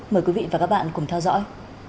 mời quý vị và các bạn cùng theo dõi